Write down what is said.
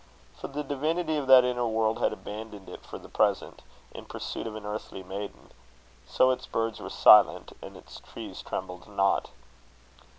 For the divinity of that inner world had abandoned it for the present, in pursuit of an earthly maiden. So its birds were silent, and its trees trembled not.